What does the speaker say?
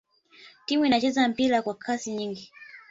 timu inacheza mpira wa pasi nyingi